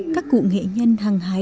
các cụ nghệ nhân hàng hái